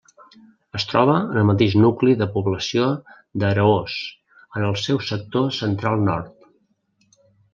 Es troba en el mateix nucli de població d'Araós, en el seu sector central-nord.